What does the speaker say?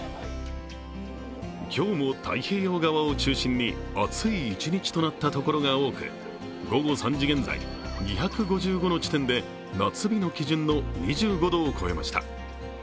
今日も太平洋側を中心に暑い一日となった所が多く午後３時現在２５５の地点で夏日の基準の２５度を超えました。